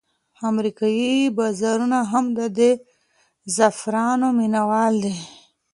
امریکایي بازارونه هم د دې زعفرانو مینوال دي.